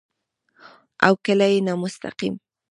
او کله يې نامستقيم